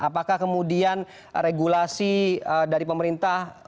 apakah kemudian regulasi dari pemerintah